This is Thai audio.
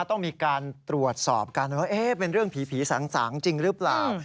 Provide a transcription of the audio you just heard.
ต้องมีการตรวจสอบกันว่าเป็นเรื่องผีสางจริงหรือเปล่า